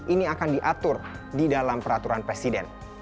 ini akan diatur di dalam peraturan presiden